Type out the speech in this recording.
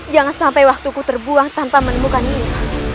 jangan sampai waktuku terbuang tanpa menemukan nyi iroh